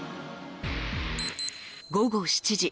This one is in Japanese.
午後７時。